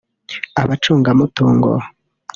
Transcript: abacungamutungo